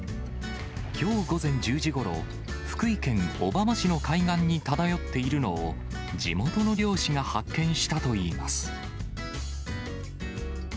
きょう午前１０時ごろ、福井県小浜市の海岸に漂っているのを、地元の漁師が発見したといいます。